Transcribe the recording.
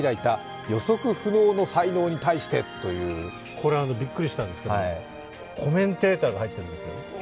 これ、びっくりしたんですけどコメンテーターが入ってるんですよ。